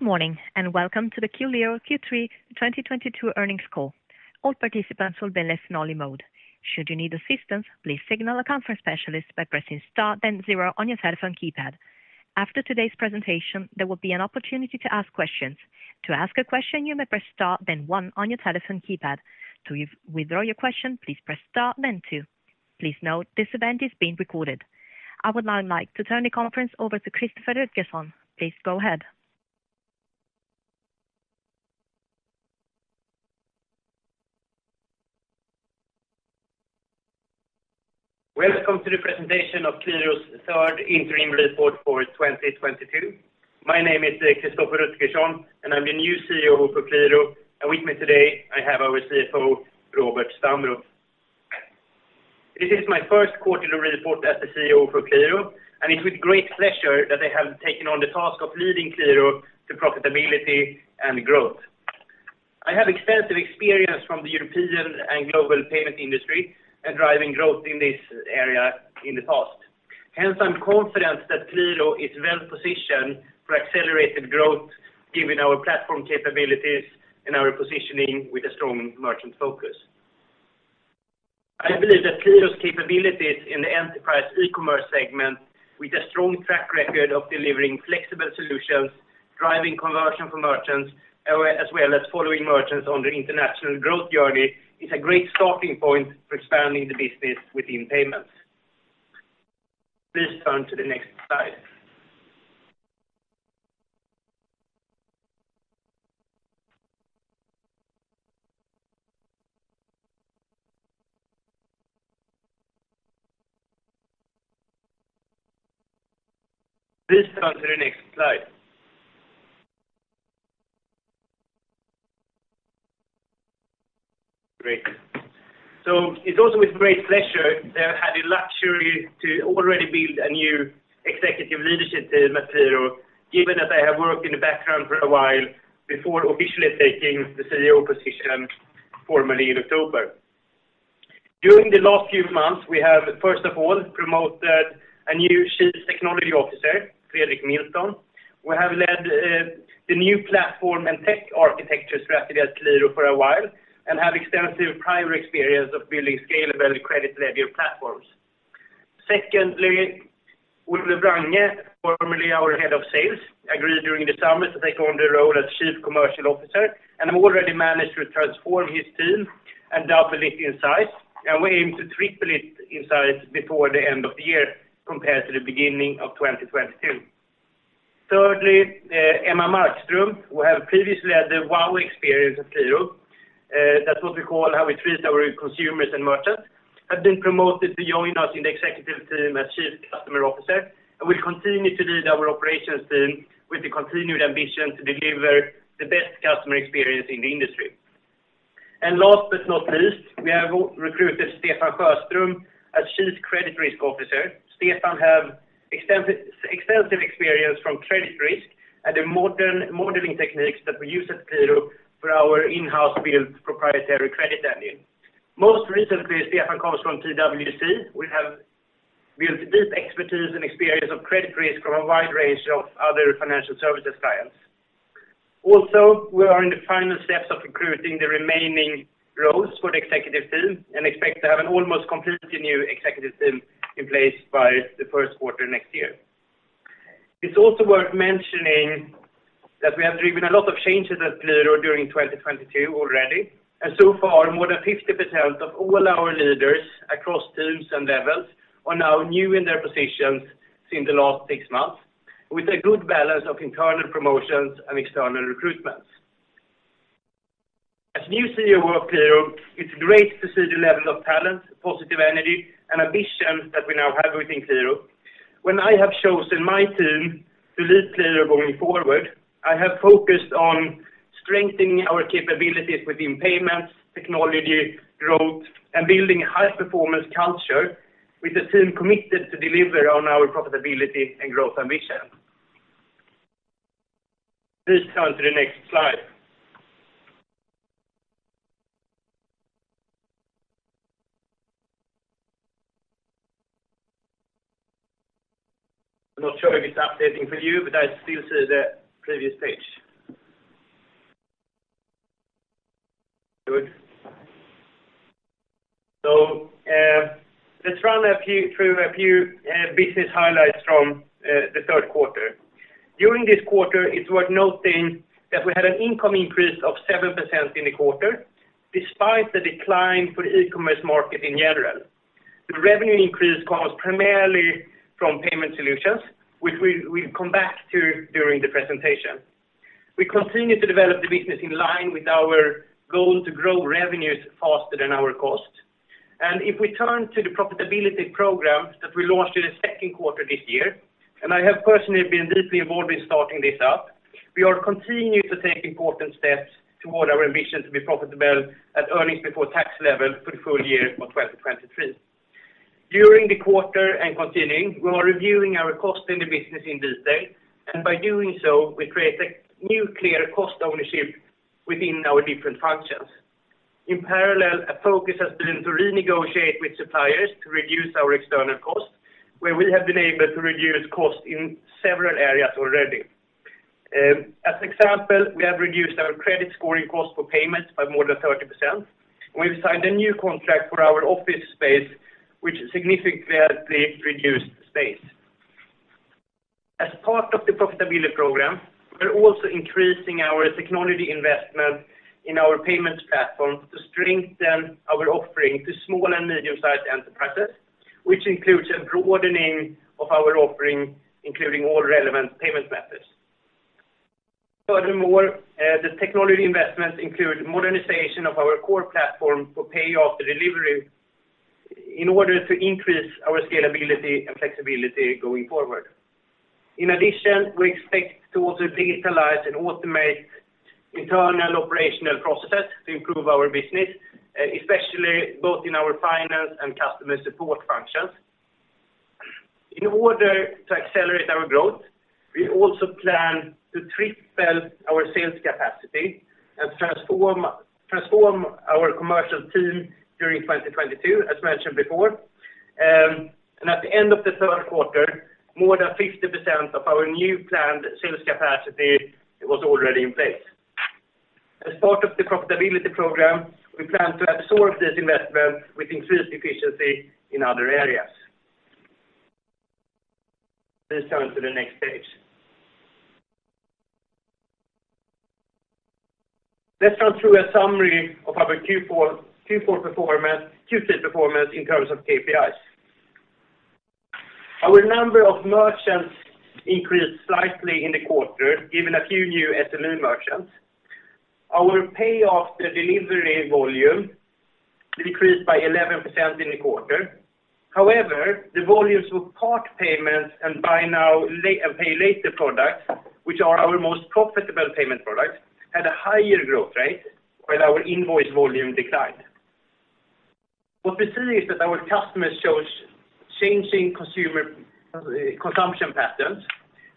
Good morning, and welcome to the Qliro Q3 2022 earnings call. All participants will be in listen-only mode. Should you need assistance, please contact a conference specialist by pressing Star then Zero on your telephone keypad. After today's presentation, there will be an opportunity to ask questions. To ask a question, you may press Star then One on your telephone keypad. To withdraw your question, please press Star then Two. Please note this event is being recorded. I would now like to turn the conference over to Christoffer Rutgersson. Please go ahead. Welcome to the presentation of Qliro's third interim report for 2022. My name is Christoffer Rutgersson, and I'm the new CEO for Qliro. With me today, I have our CFO, Robert Stambro. This is my first quarterly report as the CEO for Qliro, and it's with great pleasure that I have taken on the task of leading Qliro to profitability and growth. I have extensive experience from the European and global payment industry and driving growth in this area in the past. Hence, I'm confident that Qliro is well-positioned for accelerated growth given our platform capabilities and our positioning with a strong merchant focus. I believe that Qliro's capabilities in the enterprise e-commerce segment, with a strong track record of delivering flexible solutions, driving conversion for merchants, as well as following merchants on their international growth journey, is a great starting point for expanding the business within payments. Please turn to the next slide. Great. It's also with great pleasure that I had the luxury to already build a new executive leadership team at Qliro, given that I have worked in the background for a while before officially taking the CEO position formally in October. During the last few months, we have, first of all, promoted a new Chief Technology Officer, Fredrik Milton, who have led the new platform and tech architectures strategy at Qliro for a while and have extensive prior experience of building scalable credit-led fintech platforms. Secondly, Ole Brænden, formerly our head of sales, agreed during the summer to take on the role as Chief Commercial Officer and have already managed to transform his team and double it in size. We aim to triple it in size before the end of the year compared to the beginning of 2022. Thirdly, Emma Markström, who have previously led the WOW experience at Qliro, that's what we call how we treat our consumers and merchants, have been promoted to join us in the executive team as Chief Customer Officer, and will continue to lead our operations team with the continued ambition to deliver the best customer experience in the industry. Last but not least, we have recruited Stefan Sjöström as Chief Credit Risk Officer. Stefan have extensive experience from credit risk and the modern modeling techniques that we use at Qliro for our in-house built proprietary credit engine. Most recently, Stefan comes from TWC, which have built deep expertise and experience of credit risk from a wide range of other financial services clients. Also, we are in the final steps of recruiting the remaining roles for the executive team and expect to have an almost completely new executive team in place by the first quarter next year. It's also worth mentioning that we have driven a lot of changes at Qliro during 2022 already, and so far, more than 50% of all our leaders across teams and levels are now new in their positions in the last six months, with a good balance of internal promotions and external recruitments. As new CEO of Qliro, it's great to see the level of talent, positive energy, and ambition that we now have within Qliro. When I have chosen my team to lead Qliro going forward, I have focused on strengthening our capabilities within payments, technology, growth, and building a high-performance culture with the team committed to deliver on our profitability and growth ambition. Please turn to the next slide. I'm not sure if it's updating for you, but I still see the previous page. Good. Let's go through a few business highlights from the third quarter. During this quarter, it's worth noting that we had an income increase of 7% in the quarter, despite the decline for the e-commerce market in general. The revenue increase comes primarily from payment solutions, which we'll come back to during the presentation. We continue to develop the business in line with our goal to grow revenues faster than our cost. If we turn to the profitability program that we launched in the second quarter this year, and I have personally been deeply involved in starting this up, we are continuing to take important steps toward our ambition to be profitable at earnings before tax level for the full year of 2023. During the quarter and continuing, we are reviewing our cost in the business in detail, and by doing so, we create a new clear cost ownership within our different functions. In parallel, our focus has been to renegotiate with suppliers to reduce our external costs, where we have been able to reduce costs in several areas already. As an example, we have reduced our credit scoring cost for payments by more than 30%. We've signed a new contract for our office space, which significantly reduced space. As part of the profitability program, we're also increasing our technology investment in our payments platform to strengthen our offering to small and medium-sized enterprises, which includes a broadening of our offering, including all relevant payment methods. Furthermore, the technology investments include modernization of our core platform for pay after delivery in order to increase our scalability and flexibility going forward. In addition, we expect to also digitalize and automate internal operational processes to improve our business, especially both in our finance and customer support functions. In order to accelerate our growth, we also plan to triple our sales capacity and transform our commercial team during 2022, as mentioned before. At the end of the third quarter, more than 50% of our new planned sales capacity was already in place. As part of the profitability program, we plan to absorb this investment with increased efficiency in other areas. Please turn to the next page. Let's run through a summary of our Q4 performance, Q3 performance in terms of KPIs. Our number of merchants increased slightly in the quarter, given a few new SME merchants. Our pay after delivery volume decreased by 11% in the quarter. However, the volumes of part payments and buy now, pay later products, which are our most profitable payment products, had a higher growth rate while our invoice volume declined. What we're seeing is that our customers shows changing consumer consumption patterns.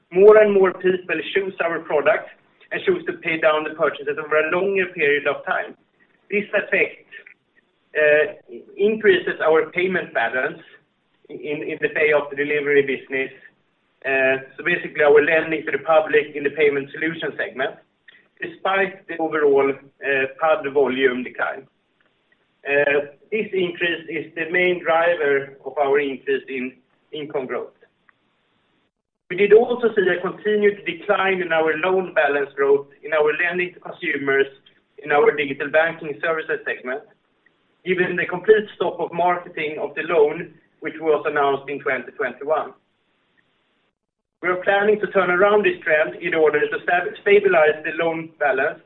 More and more people choose our product and choose to pay down the purchases over a longer period of time. This effect increases our payment balance in the pay after delivery business. Basically, our lending to the public in the payment solution segment, despite the overall card volume decline. This increase is the main driver of our increase in income growth. We did also see a continued decline in our loan balance growth in our lending to consumers in our digital banking services segment, given the complete stop of marketing of the loan, which was announced in 2021. We are planning to turn around this trend in order to stabilize the loan balance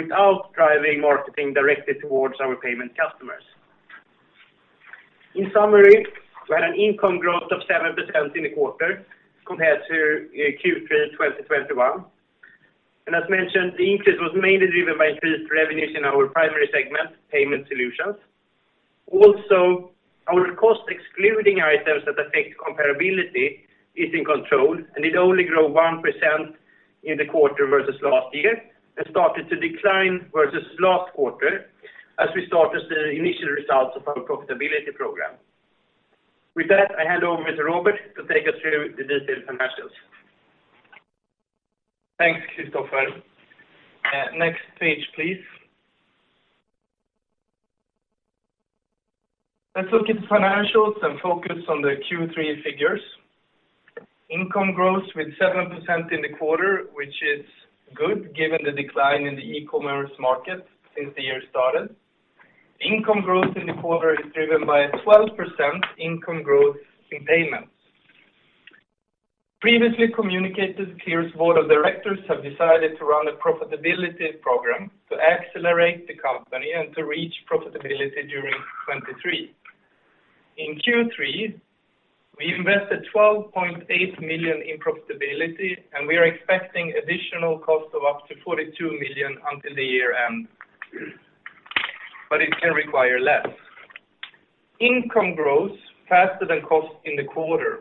without driving marketing directly towards our payment customers. In summary, we had an income growth of 7% in the quarter compared to Q3 2021. As mentioned, the increase was mainly driven by increased revenues in our primary segment, payment solutions. Also, our cost excluding items that affect comparability is in control, and it only grew 1% in the quarter versus last year and started to decline versus last quarter as we started the initial results of our profitability program. With that, I hand over to Robert to take us through the detailed financials. Thanks, Christoffer. Next page, please. Let's look at the financials and focus on the Q3 figures. Income growth with 7% in the quarter, which is good given the decline in the e-commerce market since the year started. Income growth in the quarter is driven by a 12% income growth in payments. Previously communicated, Qliro's board of directors have decided to run a profitability program to accelerate the company and to reach profitability during 2023. In Q3, we invested 12.8 million in profitability, and we are expecting additional cost of up to 42 million until the year-end, but it can require less. Income grows faster than cost in the quarter.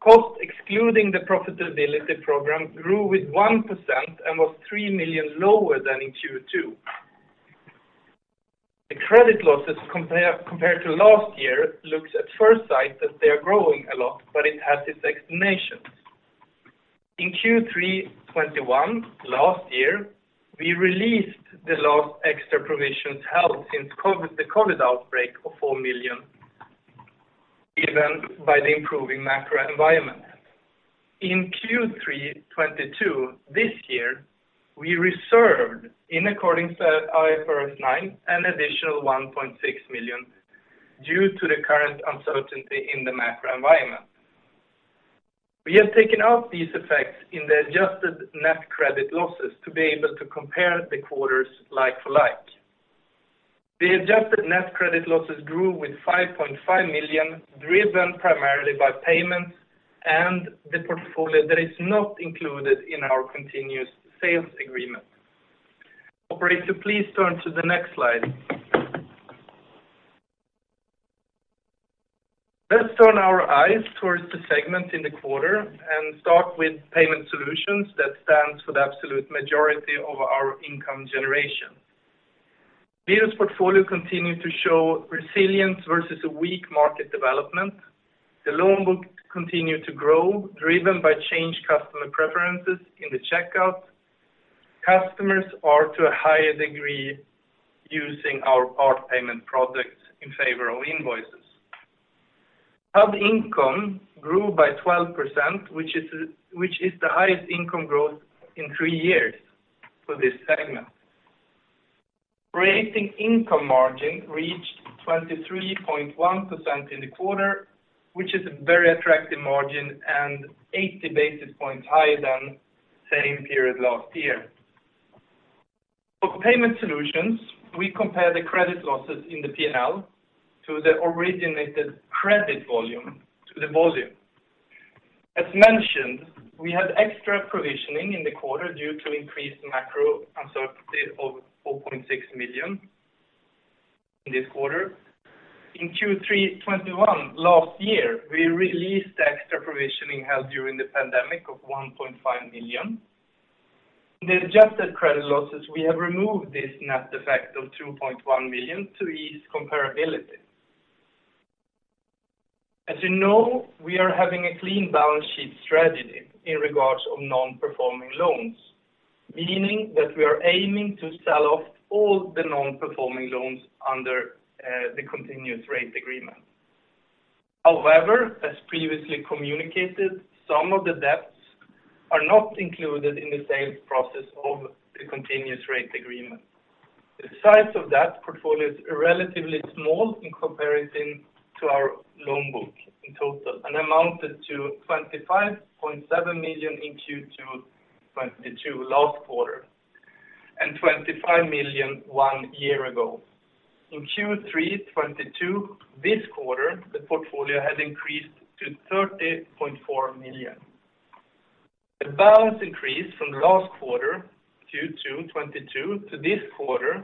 Cost, excluding the profitability program, grew with 1% and was 3 million lower than in Q2. The credit losses compared to last year looks at first sight that they are growing a lot, but it has its explanations. In Q3 2021, last year, we released the last extra provisions held since COVID, the COVID outbreak of 4 million, given by the improving macro environment. In Q3 2022, this year, we reserved in accordance with IFRS 9, an additional 1.6 million due to the current uncertainty in the macro environment. We have taken out these effects in the adjusted net credit losses to be able to compare the quarters like for like. The adjusted net credit losses grew with 5.5 million, driven primarily by payments and the portfolio that is not included in our continuous sale agreement. Operator, please turn to the next slide. Let's turn our eyes towards the segment in the quarter and start with payment solutions that stands for the absolute majority of our income generation. Vidus portfolio continued to show resilience versus a weak market development. The loan book continued to grow, driven by changing customer preferences in the checkout. Customers are to a higher degree using our part payment products in favor of invoices. Hub income grew by 12%, which is the highest income growth in 3 years for this segment. Core income margin reached 23.1% in the quarter, which is a very attractive margin and 80 basis points higher than same period last year. For payment solutions, we compare the credit losses in the P&L to the originated credit volume to the volume. As mentioned, we had extra provisioning in the quarter due to increased macro uncertainty of 4.6 million in this quarter. In Q3 2021 last year, we released the extra provisioning held during the pandemic of 1.5 million. In the adjusted credit losses, we have removed this net effect of 2.1 million to ease comparability. As you know, we are having a clean balance sheet strategy in regards of non-performing loans, meaning that we are aiming to sell off all the non-performing loans under the continuous sale agreement. However, as previously communicated, some of the debts are not included in the sales process of the continuous sale agreement. The size of that portfolio is relatively small in comparison to our loan book in total, and amounted to 25.7 million in Q2 2022 last quarter, and 25 million one year ago. In Q3 2022 this quarter, the portfolio has increased to 30.4 million. The balance increase from last quarter, Q2 2022 to this quarter,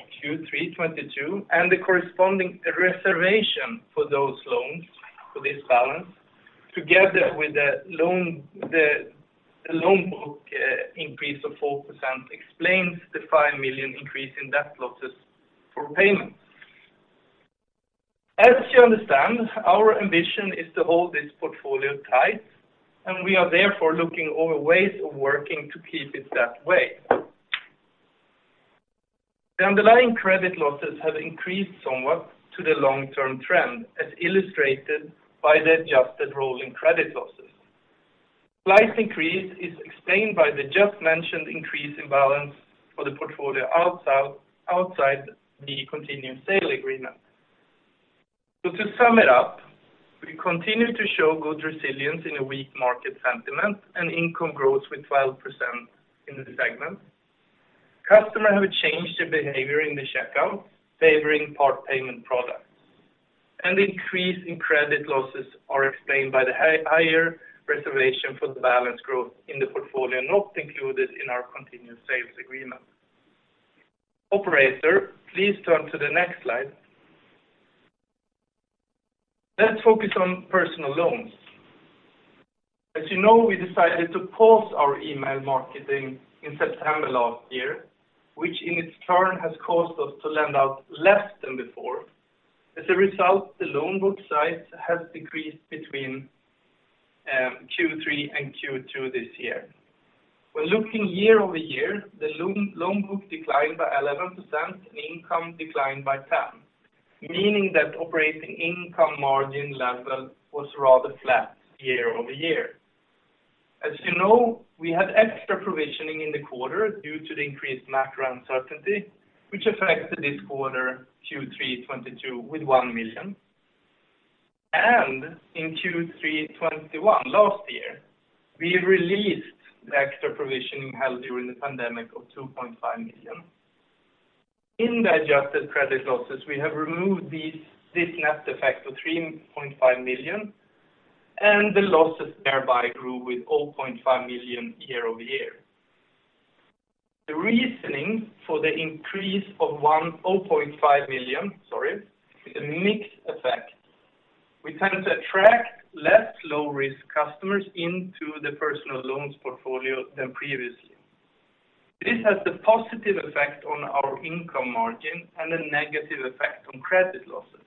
Q3 2022, and the corresponding reservation for those loans for this balance, together with the loan book increase of 4% explains the 5 million increase in debt losses for payments. As you understand, our ambition is to hold this portfolio tight, and we are therefore looking over ways of working to keep it that way. The underlying credit losses have increased somewhat to the long-term trend, as illustrated by the adjusted rolling credit losses. Slight increase is explained by the just mentioned increase in balance for the portfolio outside the continuous sale agreement. To sum it up, we continue to show good resilience in a weak market sentiment and income growth with 12% in the segment. Customers have changed their behavior in the checkout, favoring part payment products. The increase in credit losses is explained by the higher reservation for the balance growth in the portfolio not included in our continuous sale agreement. Operator, please turn to the next slide. Let's focus on personal loans. As you know, we decided to pause our email marketing in September last year, which in its turn has caused us to lend out less than before. As a result, the loan book size has decreased between Q3 and Q2 this year. When looking year-over-year, the loan book declined by 11% and income declined by 10%, meaning that operating income margin level was rather flat year-over-year. As you know, we had extra provisioning in the quarter due to the increased macro uncertainty, which affected this quarter, Q3 2022, with 1 million. In Q3 2021 last year, we released the extra provisioning held during the pandemic of 2.5 million. In the adjusted credit losses, we have removed this net effect of 3.5 million, and the losses thereby grew with 0.5 million year-over-year. The reasoning for the increase of 10.5 million is a mix effect. We tend to attract less low-risk customers into the personal loans portfolio than previously. This has the positive effect on our income margin and a negative effect on credit losses.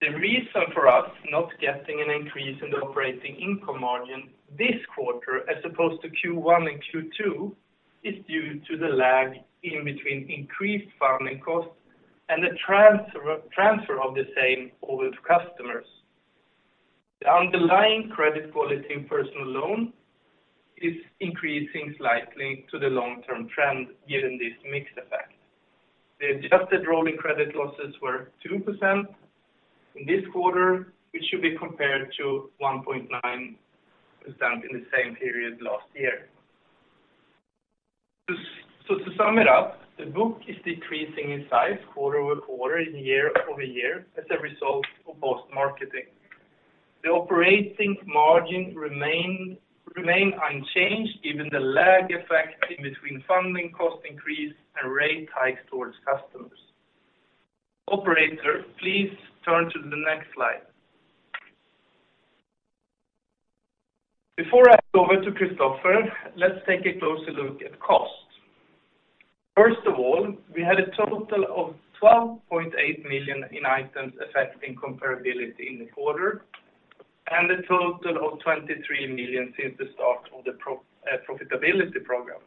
The reason for us not getting an increase in the operating income margin this quarter as opposed to Q1 and Q2 is due to the lag in between increased funding costs and the transfer of the same over to customers. The underlying credit quality in personal loan is increasing slightly to the long-term trend given this mixed effect. The adjusted rolling credit losses were 2% in this quarter, which should be compared to 1.9% in the same period last year. To sum it up, the book is decreasing in size quarter-over-quarter, year-over-year as a result of post marketing. The operating margin remained unchanged given the lag effect between funding cost increase and rate hikes towards customers. Operator, please turn to the next slide. Before I hand over to Christoffer, let's take a closer look at costs. First of all, we had a total of 12.8 million in items affecting comparability in the quarter, and a total of 23 million since the start of the profitability program.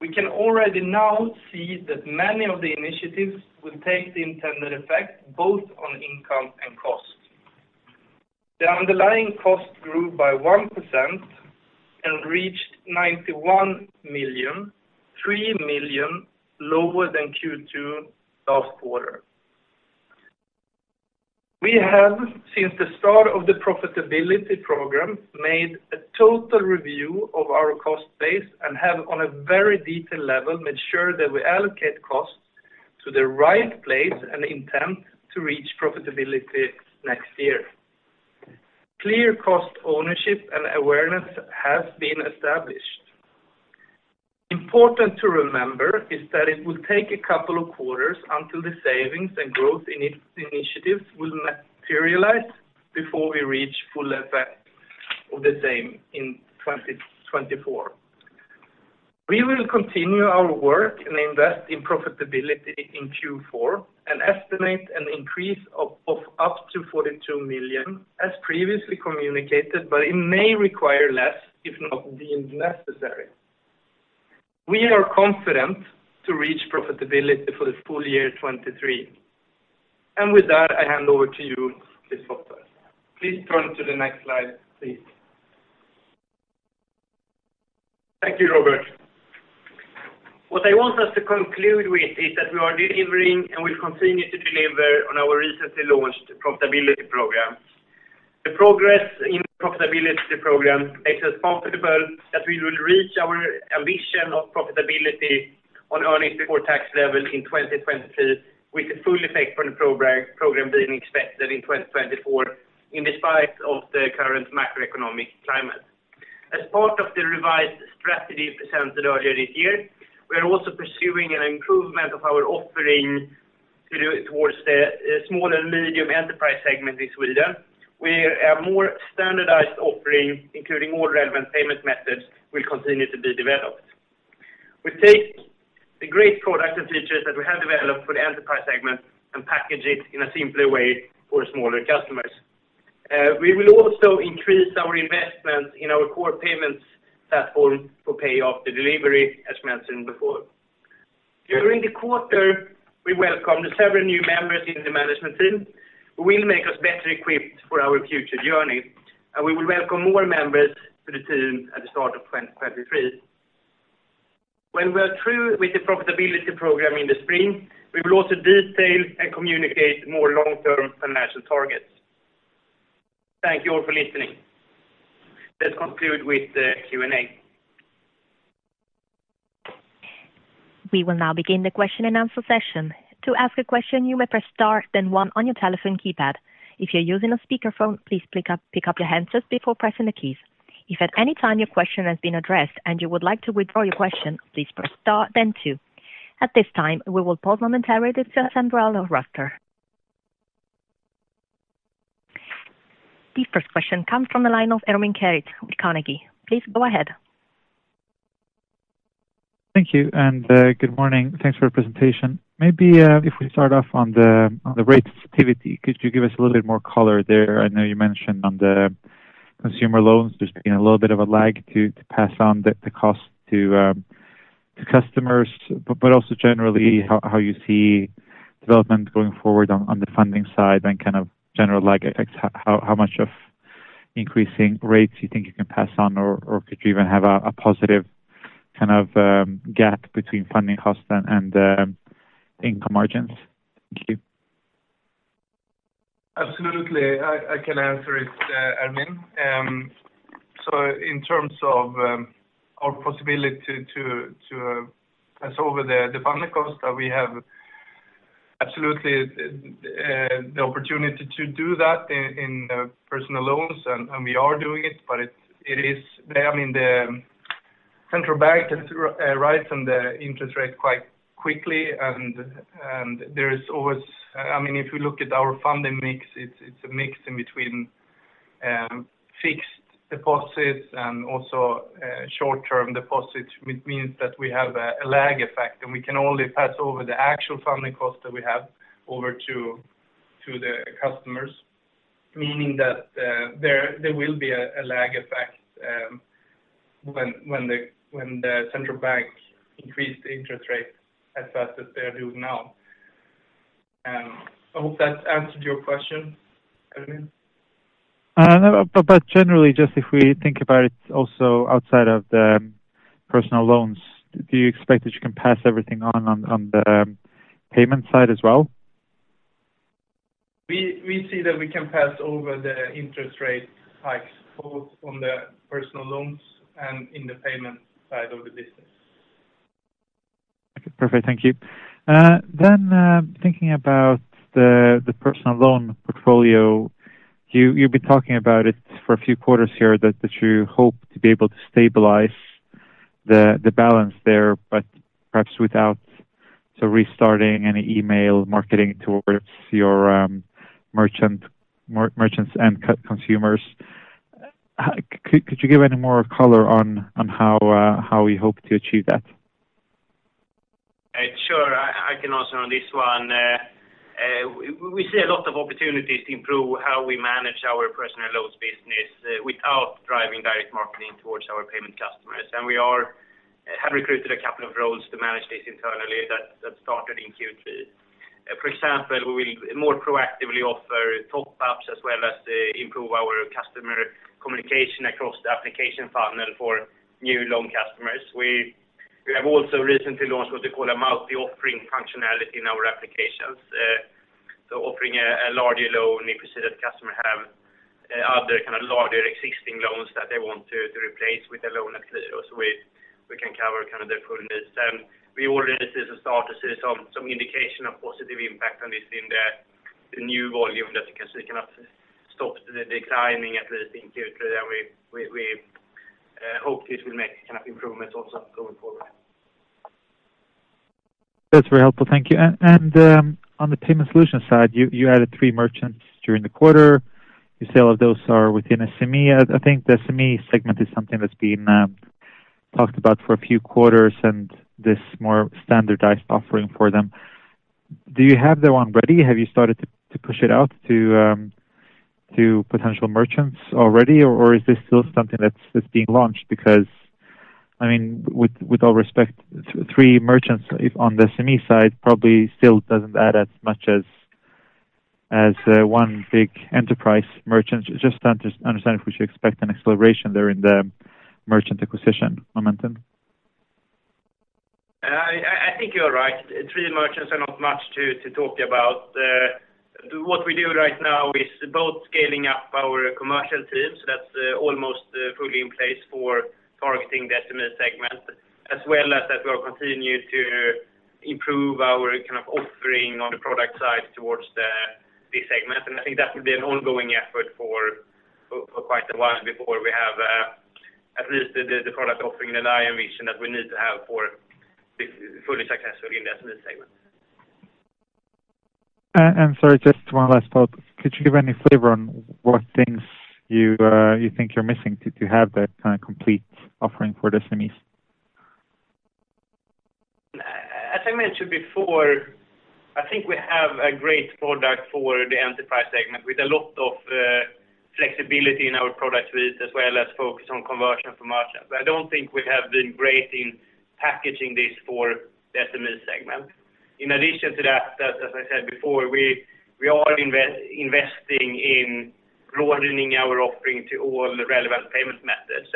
We can already now see that many of the initiatives will take the intended effect, both on income and costs. The underlying cost grew by 1% and reached 91 million, 3 million lower than Q2 last quarter. We have, since the start of the profitability program, made a total review of our cost base and have, on a very detailed level, made sure that we allocate costs to the right place and intend to reach profitability next year. Clear cost ownership and awareness has been established. Important to remember is that it will take a couple of quarters until the savings and growth initiatives will materialize before we reach full effect of the same in 2024. We will continue our work and invest in profitability in Q4, and estimate an increase of up to 42 million as previously communicated, but it may require less if not deemed necessary. We are confident to reach profitability for the full year 2023. With that, I hand over to you, Christoffer. Please turn to the next slide, please. Thank you, Robert. What I want us to conclude with is that we are delivering and will continue to deliver on our recently launched profitability program. The progress in the profitability program makes us comfortable that we will reach our ambition of profitability on earnings before tax level in 2023, with the full effect from the program being expected in 2024, in spite of the current macroeconomic climate. As part of the revised strategy presented earlier this year, we are also pursuing an improvement of our offering towards the small and medium enterprise segment in Sweden. We are a more standardized offering, including more relevant payment methods will continue to be developed. We take the great product and features that we have developed for the enterprise segment and package it in a simpler way for smaller customers. We will also increase our investment in our core payments platform for pay after delivery, as mentioned before. During the quarter, we welcomed several new members in the management team who will make us better equipped for our future journey, and we will welcome more members to the team at the start of 2023. When we're through with the profitability program in the spring, we will also detail and communicate more long-term financial targets. Thank you all for listening. Let's conclude with the Q&A. We will now begin the question and answer session. To ask a question, you may press star then one on your telephone keypad. If you're using a speaker phone, please pick up your hand just before pressing the keys. If at any time your question has been addressed and you would like to withdraw your question, please press star then two. At this time, we will pause momentarily to assemble our roster. The first question comes from the line of Ermin Keric with Carnegie. Please go ahead. Thank you, and good morning. Thanks for the presentation. Maybe if we start off on the rate sensitivity, could you give us a little bit more color there? I know you mentioned on the consumer loans there's been a little bit of a lag to pass on the cost to customers, but also generally how you see development going forward on the funding side and kind of general lag effects, how much of increasing rates you think you can pass on or could you even have a positive kind of gap between funding costs and income margins? Thank you. Absolutely. I can answer it, Ermin. So in terms of our possibility to pass on the funding costs that we have, absolutely the opportunity to do that in personal loans and we are doing it, but it is. I mean, the central bank tends to raise the interest rate quite quickly and there is always. I mean, if you look at our funding mix, it's a mix in between fixed deposits and also short-term deposits, which means that we have a lag effect, and we can only pass on the actual funding costs that we have over to the customers, meaning that there will be a lag effect when the central bank increase the interest rate as fast as they're doing now. I hope that answered your question, Ermin. No, generally just if we think about it also outside of the personal loans, do you expect that you can pass everything on the payment side as well? We see that we can pass over the interest rate hikes both on the personal loans and in the payment side of the business. Perfect. Thank you. Thinking about the personal loan portfolio, you've been talking about it for a few quarters here that you hope to be able to stabilize the balance there, but perhaps without restarting any email marketing towards your merchants and consumers. Could you give any more color on how we hope to achieve that? Sure. I can answer on this one. We see a lot of opportunities to improve how we manage our personal loans business without driving direct marketing towards our payment customers. We have recruited a couple of roles to manage this internally that started in Q3. For example, we will more proactively offer top ups as well as improve our customer communication across the application funnel for new loan customers. We have also recently launched what we call a multi-offering functionality in our applications. Offering a larger loan if we see that customer have other kind of larger existing loans that they want to replace with a loan at Qliro so we can cover kind of their full needs. We already start to see some indication of positive impact on this in the new volume so it cannot stop the declining at least in Q3, and we hope this will make kind of improvements also going forward. That's very helpful. Thank you. On the payment solution side, you added three merchants during the quarter. You said all of those are within SME. I think the SME segment is something that's been talked about for a few quarters and this more standardized offering for them. Do you have that one ready? Have you started to push it out to potential merchants already? Or is this still something that's being launched? Because I mean, with all respect, three merchants if on the SME side probably still doesn't add as much as one big enterprise merchant. Just understanding if we should expect an acceleration there in the merchant acquisition momentum. I think you're right. Three merchants are not much to talk about. What we do right now is both scaling up our commercial teams. That's almost fully in place for targeting the SME segment, as well as that will continue to improve our kind of offering on the product side towards this segment. I think that will be an ongoing effort for quite a while before we have at least the product offering and the mission that we need to have for this fully successfully in the SME segment. Sorry, just one last thought. Could you give any flavor on what things you think you're missing to have that kind of complete offering for the SMEs? As I mentioned before, I think we have a great product for the enterprise segment with a lot of flexibility in our product suite, as well as focus on conversion for merchants. I don't think we have been great in packaging this for the SME segment. In addition to that, as I said before, we are investing in broadening our offering to all relevant payment methods.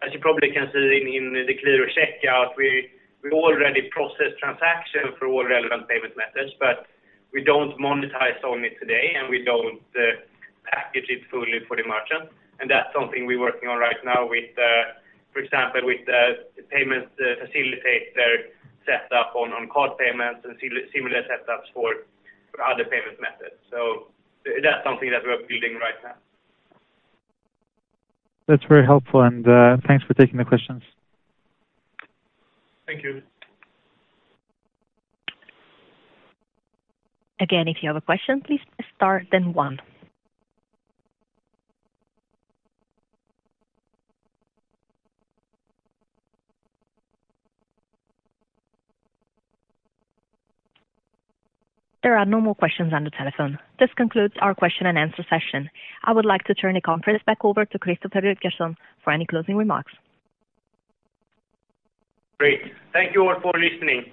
As you probably can see in the Qliro Checkout, we already process transactions for all relevant payment methods, but we don't monetize on it today, and we don't package it fully for the merchant. That's something we're working on right now with, for example, with the payment facilitator set up on card payments and similar set ups for other payment methods. That's something that we're building right now. That's very helpful, and, thanks for taking the questions. Thank you. Again, if you have a question, please press star, then one. There are no more questions on the telephone. This concludes our question and answer session. I would like to turn the conference back over to Christoffer Rutgersson for any closing remarks. Great. Thank you all for listening.